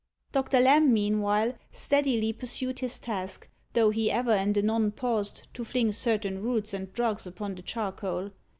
Doctor Lamb, meanwhile, steadily pursued his task, though he ever and anon paused, to fling certain roots and drugs upon the charcoal.